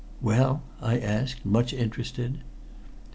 "Well?" I asked, much interested.